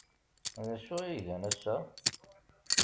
D acu ay gan ass-a?